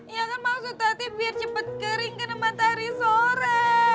ya kan maksud tadi biar cepet kering kena matahari sore